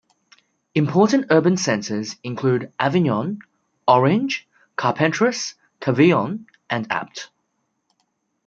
Important urban centres include Avignon, Orange, Carpentras, Cavaillon, and Apt.